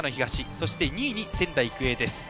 そして２位に仙台育英です。